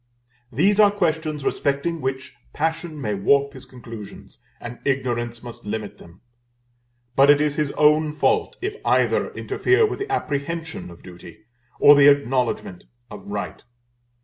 These are questions respecting which passion may warp his conclusions, and ignorance must limit them; but it is his own fault if either interfere with the apprehension of duty, or the acknowledgment of right.